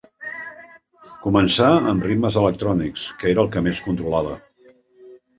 Començà amb ritmes electrònics, que era el que més controlava.